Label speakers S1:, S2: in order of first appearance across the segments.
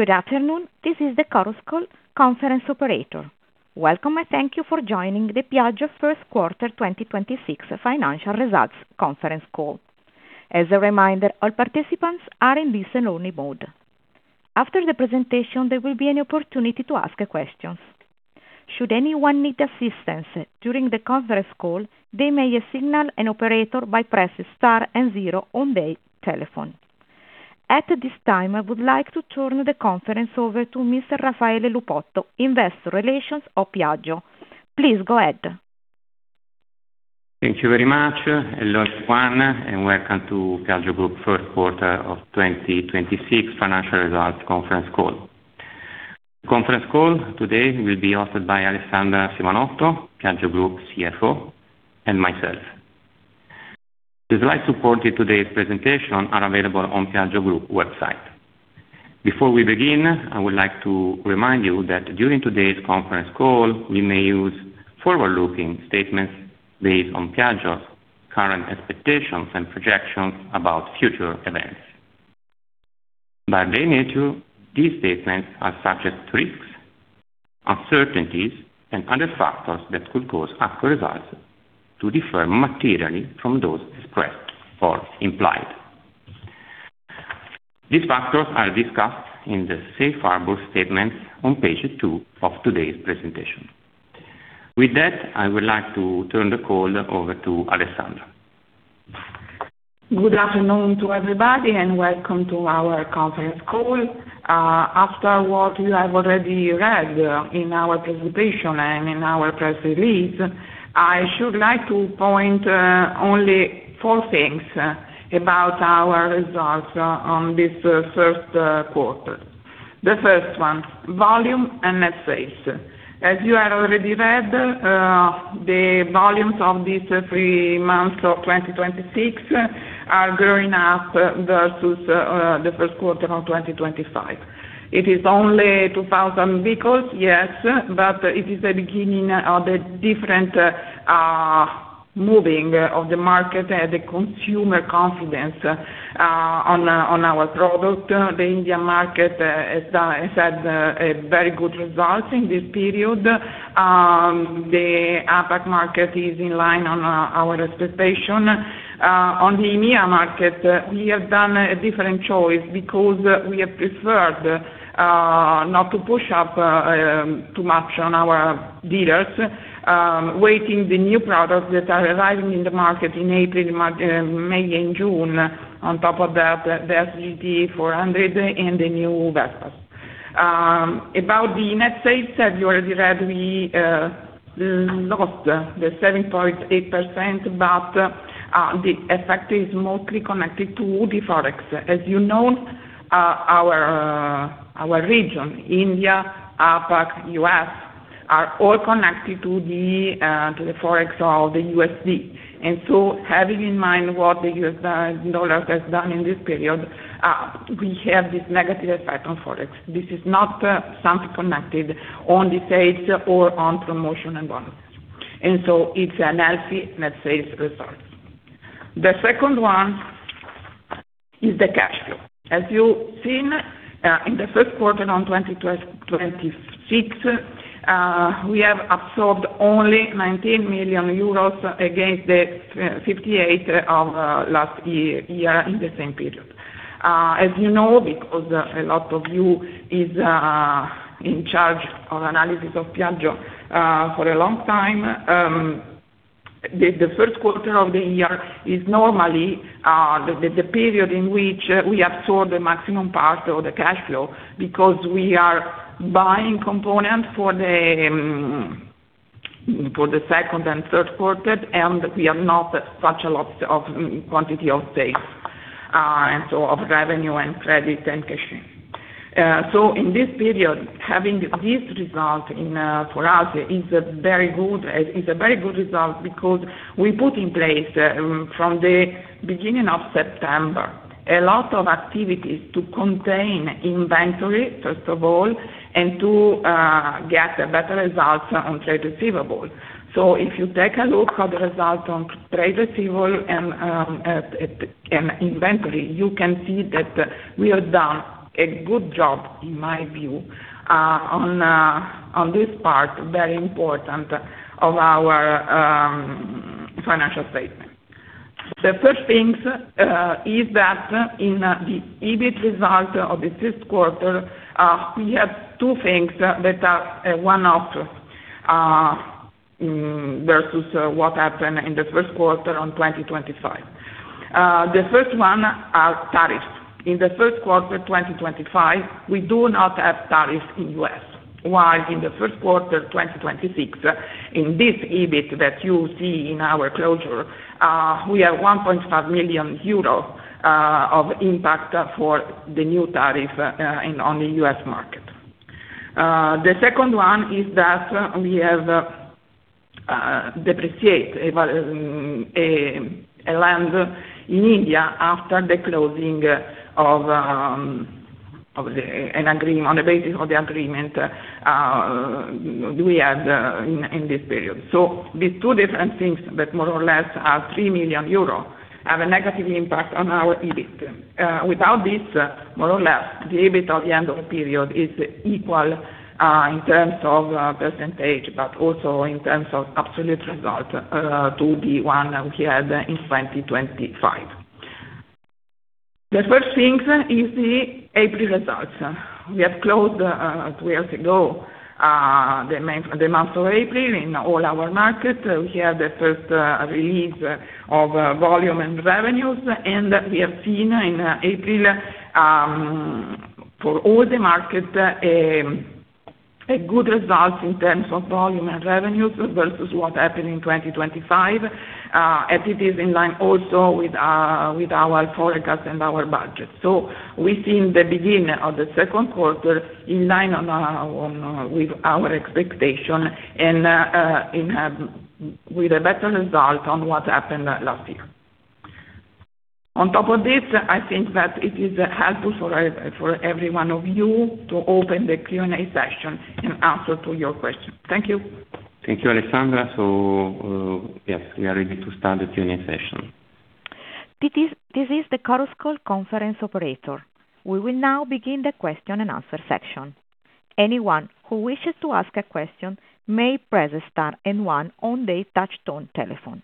S1: Good afternoon. This is the Chorus Call conference operator. Welcome, and thank you for joining the Piaggio Q1 2026 financial results conference call. As a reminder, all participants are in listen-only mode. After the presentation, there will be an opportunity to ask questions. Should anyone need assistance during the conference call, they may signal an operator by pressing star and zero on their telephone. At this time, I would like to turn the conference over to Mr. Raffaele Lupotto, investor relations of Piaggio. Please go ahead.
S2: Thank you very much. Hello, everyone, and welcome to Piaggio Group Q1 of 2026 financial results conference call. The conference call today will be hosted by Alessandra Simonotto, Piaggio Group CFO, and myself. The slides supporting today's presentation are available on Piaggio Group website. Before we begin, I would like to remind you that during today's conference call, we may use forward-looking statements based on Piaggio's current expectations and projections about future events. By their nature, these statements are subject to risks, uncertainties and other factors that could cause actual results to differ materially from those expressed or implied. These factors are discussed in the safe harbor statements on page 2 of today's presentation. With that, I would like to turn the call over to Alessandra.
S3: Good afternoon to everybody, and welcome to our conference call. After what you have already read in our presentation and in our press release, I should like to point only four things about our results on this Q1. The first one, volume and net sales. As you have already read, the volumes of these three months of 2026 are growing up versus the Q1 of 2025. It is only 2,000 vehicles, yes, but it is the beginning of a different moving of the market and the consumer confidence on our product. The India market has had a very good result in this period. The APAC market is in line on our expectation. On the EMEA market, we have done a different choice because we have preferred not to push up too much on our dealers, waiting the new products that are arriving in the market in April, May and June. On top of that, the Aprilia SR GT 400 and the new Vespas. About the net sales, as you already read, we lost the 7.8%, but the effect is mostly connected to the Forex. As you know, our region, India, APAC, U.S., are all connected to the Forex of the USD. Having in mind what the U.S. dollar has done in this period, we have this negative effect on Forex. This is not something connected on the sales or on promotion and bonuses. It's a healthy net sales result. The second one is the cash flow. As you've seen, in Q1 of 2026, we have absorbed only 19 million euros against the 58 of last year in the same period. As you know, because a lot of you is in charge of analysis of Piaggio, for a long time, the first quarter of the year is normally the period in which we absorb the maximum part of the cash flow because we are buying components for Q2 and Q3, and we have not such a lot of quantity of sales, and so of revenue and credit and cash in. In this period, having this result in for us is a very good result because we put in place from the beginning of September, a lot of activities to contain inventory, first of all, and to get better results on trade receivables. If you take a look at the result on trade receivable and inventory, you can see that we have done a good job, in my view, on this part, very important of our financial statement. The first things is that in the EBIT result of the Q1, we have two things that are one-off versus what happened in the Q1 of 2025. The first one are tariffs. In the Q1 of 2025, we do not have tariffs in U.S., while in theQ1 of 2026, in this EBIT that you see in our closure, we have 1.5 million euro of impact for the new tariff on the U.S. market. The second one is that we have depreciated a land in India after the closing of the agreement on the basis of the agreement we had in this period. These two different things that more or less are 3 million euros, have a negative impact on our EBIT. Without this, more or less, the EBIT at the end of the period is equal in terms of percentage, but also in terms of absolute result, to the one we had in 2025. The first things is the April results. We have closed, three months ago, the month of April in all our markets. We have the first release of volume and revenues. We have seen in April, for all the markets, a good result in terms of volume and revenues versus what happened in 2025. It is in line also with our, with our forecast and our budget. We've seen the beginning of the second quarter in line with our expectation with a better result on what happened last year. On top of this, I think that it is helpful for every one of you to open the Q&A session and answer to your question. Thank you.
S2: Thank you, Alessandra. Yes, we are ready to start the Q&A session.
S1: This is the Chorus Call conference operator. We will now begin the question and answer section. Anyone who wishes to ask a question may press star and one on their touchtone telephone.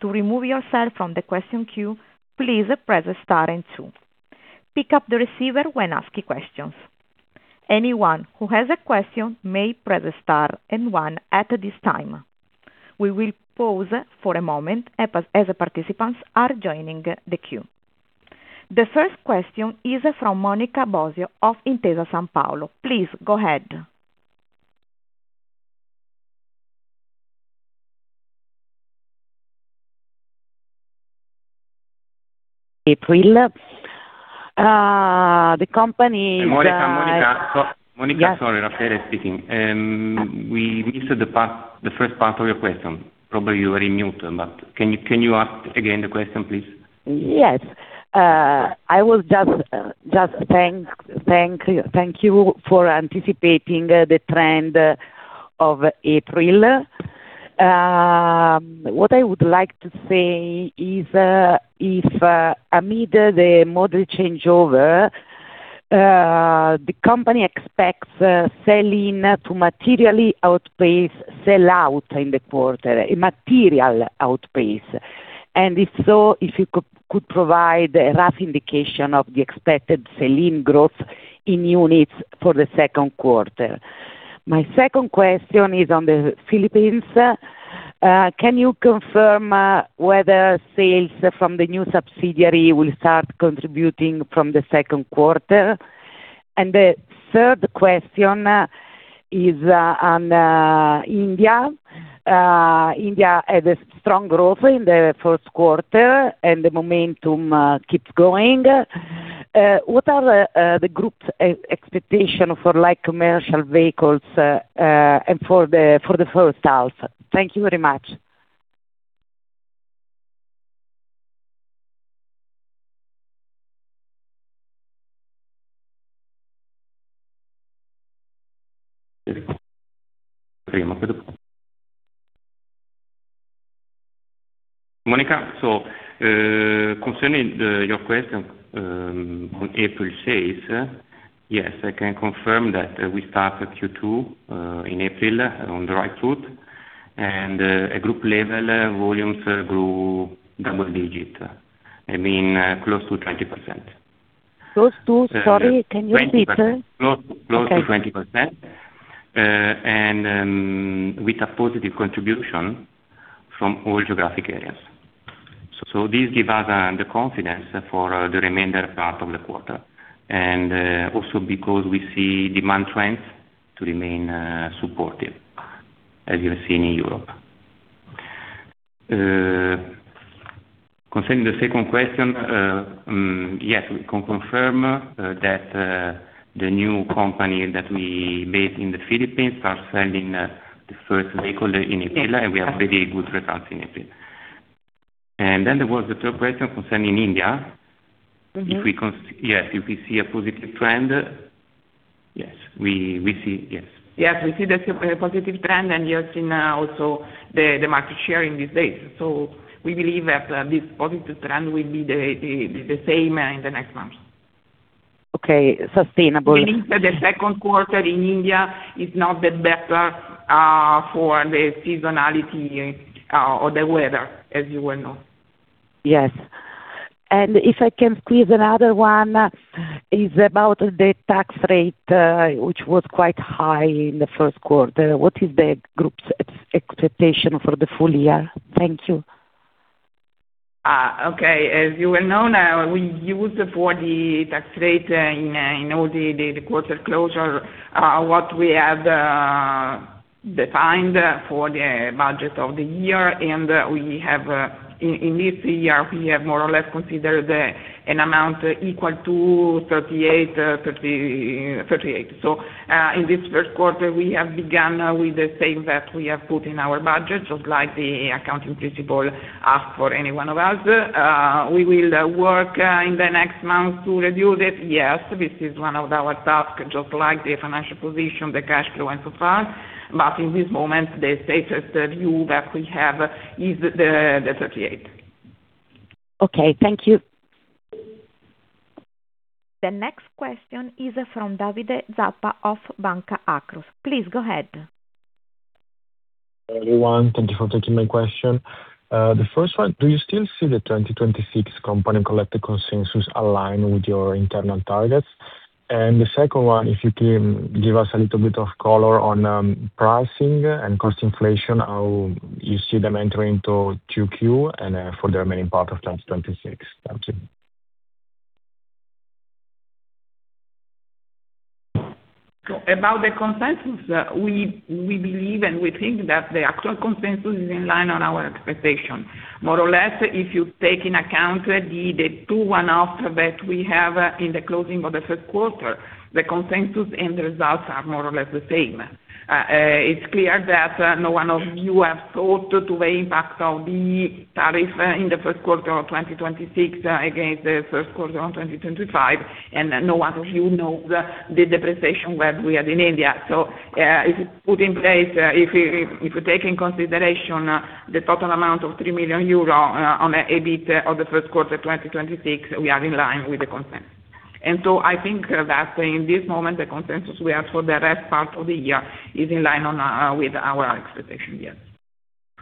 S1: To remove yourself from the question queue, please press star and two. Pick up the receiver when asking questions. Anyone who has a question may press star and one at this time. We will pause for a moment as participants are joining the queue. The first question is from Monica Bosio of Intesa Sanpaolo. Please go ahead.
S4: April. The company is
S2: Monica.
S4: Yes.
S2: Monica, sorry, Raffaele speaking. We missed the first part of your question. Probably you were in mute, can you ask again the question, please?
S4: Yes. I was just thank you for anticipating the trend of April. What I would like to say is if amid the model changeover, the company expects sell-in to materially outpace sell-out in the quarter. If so, if you could provide a rough indication of the expected sell-in growth in units for the Q2. My second question is on the Philippines. Can you confirm whether sales from the new subsidiary will start contributing from the Q2? The third question is on India. India had a strong growth in the Q1 and the momentum keeps going. What are the group's expectations for light commercial vehicles and for the H1? Thank you very much.
S2: Monica, concerning your question on April sales, yes, I can confirm that we start Q2 in April on the right foot and at group level, volumes grew double digit. I mean, close to 20%.
S4: Close to? Sorry, can you repeat?
S2: Close to 20%.
S4: Okay.
S2: With a positive contribution from all geographic areas. This give us the confidence for the remainder part of the quarter. Also because we see demand trends to remain supportive as you have seen in Europe. Concerning the second question, yes, we can confirm that the new company that we based in the Philippines start selling the first vehicle in April.
S4: Okay.
S2: We have very good results in April. Then there was the third question concerning India. Yes, if we see a positive trend. Yes, we see Yes.
S3: Yes, we see the positive trend and you have seen also the market share in these days. We believe that this positive trend will be the same in the next months.
S4: Okay. Sustainably.
S3: Meaning that the second quarter in India is not the better for the seasonality or the weather, as you well know.
S4: Yes. If I can squeeze another one, is about the tax rate, which was quite high in the Q1. What is the group's expectation for the full year? Thank you.
S3: Okay. As you well know, now we use for the tax rate in all the quarter closure what we had defined for the budget of the year. We have in this year, we have more or less considered an amount equal to 38%. In this Q1, we have begun with the same that we have put in our budget, just like the accounting principle ask for any one of us. We will work in the next month to reduce it. Yes, this is one of our task, just like the financial position, the cash flow, and so far. In this moment, the safest view that we have is the 38%.
S4: Okay. Thank you.
S1: The next question is from Davide Zappa of Banca Akros. Please go ahead.
S5: Everyone, thank you for taking my question. The first one, do you still see the 2026 component-collected consensus align with your internal targets? The second one, if you can give us a little bit of color on pricing and cost inflation, how you see them entering into Q2 and for the remaining part of 2026. Thank you.
S3: About the consensus, we believe and we think that the actual consensus is in line on our expectation. More or less, if you take into account the two one-offs that we have in the closing of the Q1, the consensus and the results are more or less the same. It's clear that no one of you have thought to weigh impact of the tariff in the Q1 of 2026 against the Q1 of 2025, and no one of you know the depreciation that we had in India. If you put in place, if you take in consideration, the total amount of 3 million euro on a EBIT of the Q1 2026, we are in line with the consensus. I think that in this moment, the consensus we have for the rest part of the year is in line with our expectation. Yes.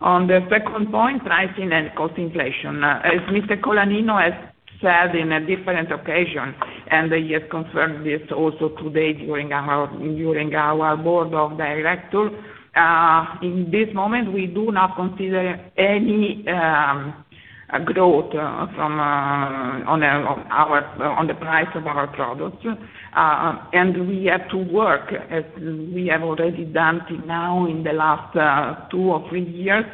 S3: On the second point, pricing and cost inflation. As Mr. Colaninno has said in a different occasion, and he has confirmed this also today during our, during our board of director, in this moment, we do not consider any growth from on the price of our products. We have to work as we have already done now in the last two or three years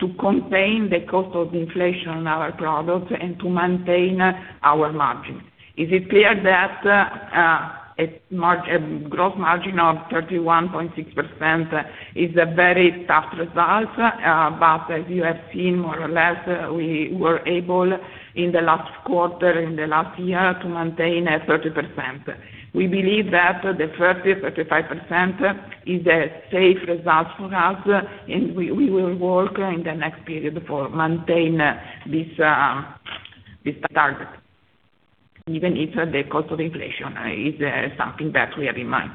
S3: to contain the cost of inflation on our products and to maintain our margin. It is clear that a gross margin of 31.6% is a very tough result. As you have seen, more or less, we were able in the last quarter, in the last year, to maintain 30%. We believe that the 30%-35% is a safe result for us, and we will work in the next period for maintain this target, even if the cost of inflation is something that we have in mind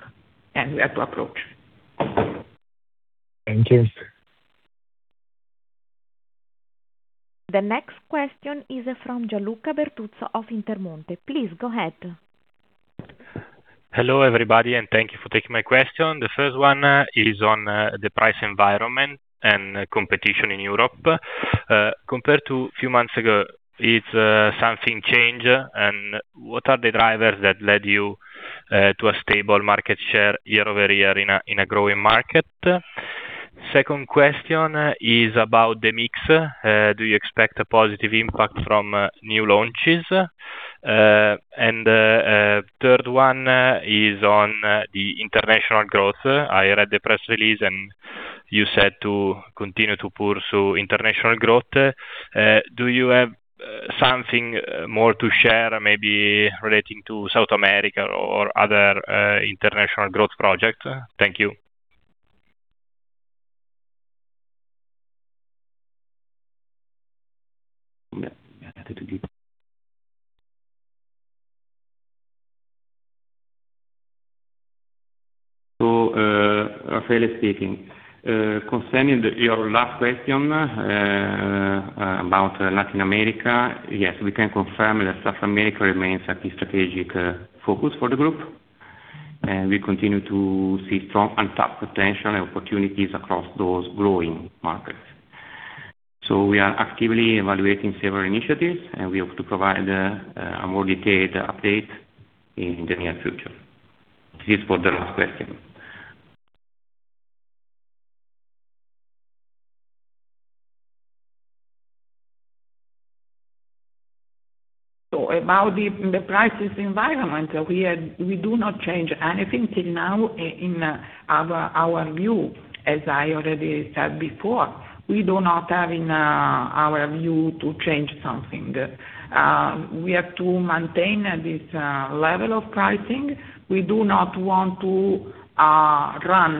S3: and we have to approach.
S5: Thank you.
S1: The next question is from Gianluca Bertuzzo of Intermonte. Please go ahead.
S6: Hello, everybody, and thank you for taking my question. The first one is on the price environment and competition in Europe. Compared to few months ago, it's something change? What are the drivers that led you to a stable market share year-over-year in a growing market? Second question is about the mix. Do you expect a positive impact from new launches? Third one is on the international growth. I read the press release. You said to continue to pursue international growth. Do you have something more to share, maybe relating to South America or other international growth project? Thank you.
S2: Raffaele speaking. Concerning your last question about Latin America, yes, we can confirm that South America remains a key strategic focus for the group, and we continue to see strong untapped potential and opportunities across those growing markets. We are actively evaluating several initiatives, and we hope to provide a more detailed update in the near future. This is for the last question.
S3: About the prices environment, we do not change anything till now in our view. As I already said before, we do not have in our view to change something. We have to maintain this level of pricing. We do not want to run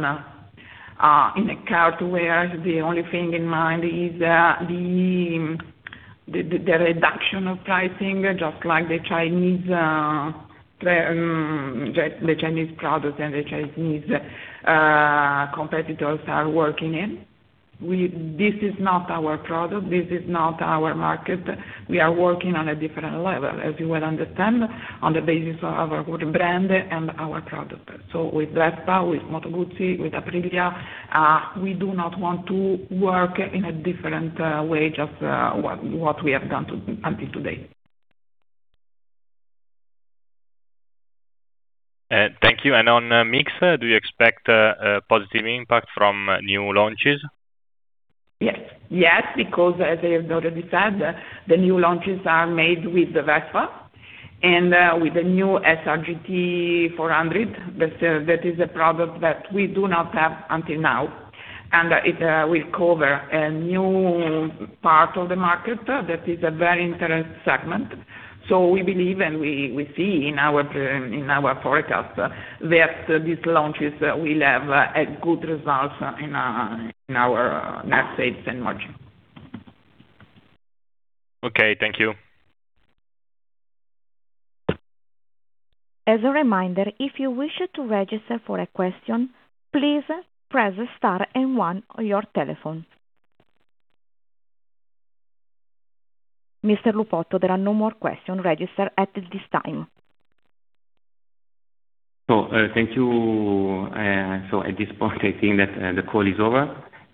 S3: in a cart where the only thing in mind is the reduction of pricing, just like the Chinese products and the Chinese competitors are working in. This is not our product. This is not our market. We are working on a different level, as you well understand, on the basis of our good brand and our product. With Vespa, with Moto Guzzi, with Aprilia, we do not want to work in a different way just what we have done until today.
S6: Thank you. On mix, do you expect a positive impact from new launches?
S3: Yes, because as I have already said, the new launches are made with the Vespa and with the new SR GT 400. That is a product that we do not have until now, and it will cover a new part of the market that is a very interesting segment. We believe and we see in our in our forecast that these launches will have a good results in in our net sales and margin.
S6: Okay. Thank you.
S1: As a reminder, if you wish to register for a question, please press star and one on your telephone. Mr. Lupotto, there are no more questions registered at this time.
S2: Thank you. At this point, I think that the call is over.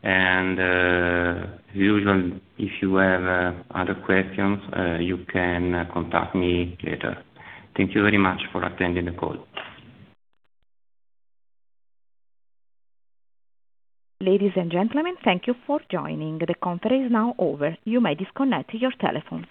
S2: As usual, if you have other questions, you can contact me later. Thank you very much for attending the call.
S1: Ladies and gentlemen, thank you for joining. The conference is now over. You may disconnect your telephones.